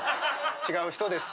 違う人ですと。